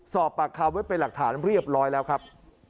สอบปากคำไว้เป็นหลักฐานเรียบร้อยแล้วครับ